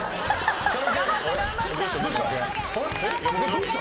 どうした？